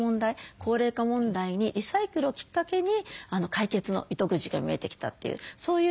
高齢化問題にリサイクルをきっかけに解決の糸口が見えてきたというそういう事例だと思います。